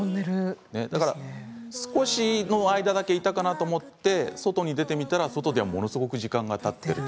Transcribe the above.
少しの間だけいたかなと思って、外に出てみたら外ではすごく時間がたっている。